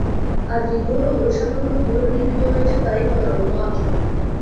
আর রীতি হলো ওই শাখাগুলো কীভাবে নির্মিত হয়েছে তারই পর্যবেক্ষণ ও আলোচনা।